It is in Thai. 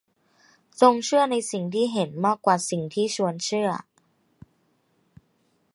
จงเชื่อในสิ่งที่เห็นมากกว่าสิ่งที่ชวนเชื่อ